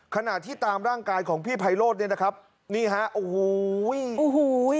ขณะที่ตามร่างกายของพี่ไพโรธเนี่ยนะครับนี่ฮะโอ้โหโอ้โห